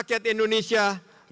rakyat indonesia harus menang